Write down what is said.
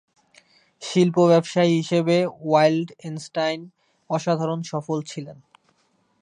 শিল্প ব্যবসায়ী হিসেবে ওয়াইল্ডেনস্টাইন অসাধারণ সফল ছিলেন।